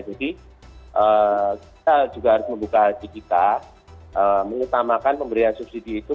jadi kita juga harus membuka hati kita mengutamakan pemberian subsidi itu